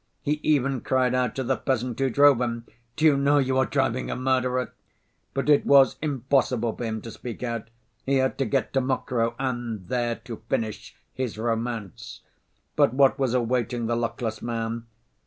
"He even cried out to the peasant who drove him, 'Do you know, you are driving a murderer!' But it was impossible for him to speak out, he had to get to Mokroe and there to finish his romance. But what was awaiting the luckless man?